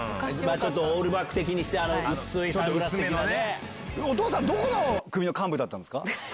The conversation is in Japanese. ちょっとオールバック的にしお父さん、どこの組の幹部だったんですか？